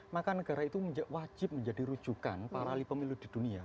maka negara itu wajib menjadi rujukan para ahli pemilu di dunia